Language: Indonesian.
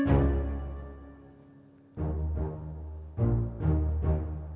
mau ke nanti